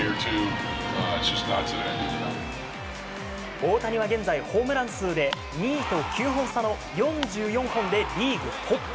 大谷は現在ホームラン数で２位と９本差の４４本でリーグトップ。